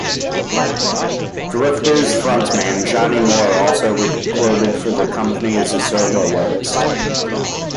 Drifters front man Johnny Moore also recorded for the company as a solo artist.